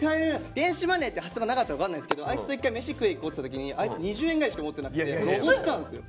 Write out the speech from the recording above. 電子マネーって発想がなかったのか分かんないですけどあいつと一回飯食い行こうっつった時にあいつ２０円ぐらいしか持ってなくて俺おごったんすよ。